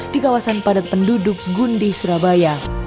di kawasan padat penduduk gundi surabaya